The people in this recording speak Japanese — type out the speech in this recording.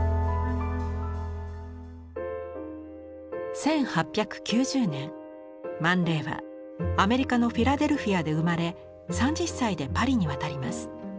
１８９０年マン・レイはアメリカのフィラデルフィアで生まれ３０歳でパリに渡ります。